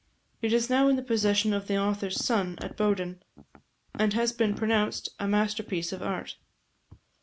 It is now in the possession of the author's son at Bowden, and has been pronounced a masterpiece of art.